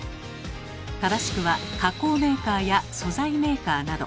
正しくは「加工メーカー」や「素材メーカー」など。